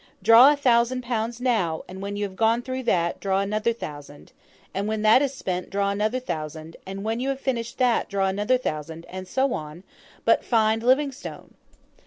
Draw a thousand pounds now; and when you have gone through that, draw another thousand, and when that is spent, draw another thousand, and when you have finished that, draw another thousand, and so on; but, FIND LIVINGSTONE."